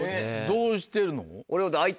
どうしてるの？